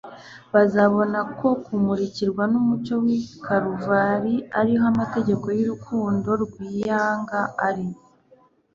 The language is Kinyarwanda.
Bazabona ko mu kumurikirwa n'umucyo w'i Kaluvari ari ho amategeko y'urukundo rwiyanga ari,